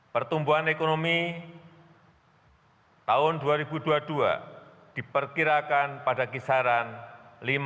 pertumbuhan ekonomi tahun dua ribu dua puluh dua diperkirakan pada kisaran lima persen sampai lima lima persen